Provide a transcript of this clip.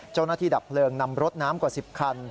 เจ้าหน้าที่ดับเพลิงนำรถน้ำกว่า๑๐คัน